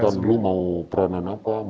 silakan lu mau peranan apa